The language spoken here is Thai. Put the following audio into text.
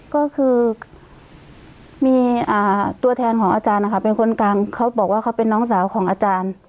ก็คือมีตัวแทนของอาจารย์นะคะเป็นคนกลางเขาบอกว่าเขาเป็นน้องสาวของอาจารย์